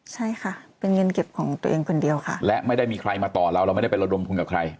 ใช่ค่ะเป็นเงินเก็บของตัวเองคนเดียวค่ะและไม่ได้มีใครมาต่อเราเราไม่ได้ไประดมทุนกับใคร